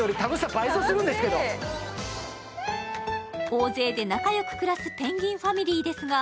大勢で仲良く暮らすペンギンファミリーですが